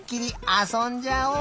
あそんじゃおう！